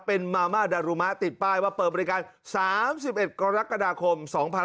เป็นมาม่าดารุมะติดป้ายว่าเปิดบริการ๓๑กรกฎาคม๒๕๖๒